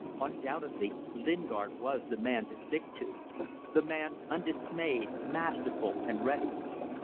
... Undoubtedly, Lingard was the man to stick to! The man undismayed, masterful and ready.